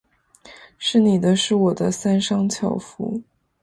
是你的；是我的，三商巧福。